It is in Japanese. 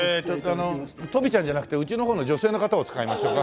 あのとびちゃんじゃなくてうちの女性の方を使いましょうか。